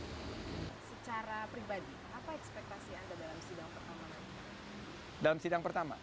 secara pribadi apa ekspektasi anda dalam sidang pertama